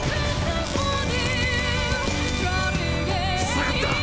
塞がった！！